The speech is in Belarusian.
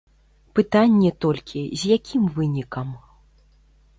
Пытанне толькі, з якім вынікам?